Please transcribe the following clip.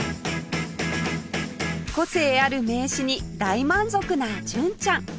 個性ある名刺に大満足な純ちゃん